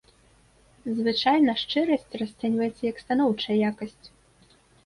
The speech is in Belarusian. Звычайна шчырасць расцэньваецца як станоўчая якасць.